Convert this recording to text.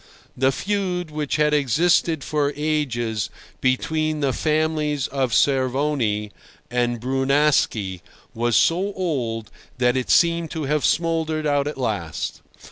The feud which had existed for ages between the families of Cervoni and Brunaschi was so old that it seemed to have smouldered out at last.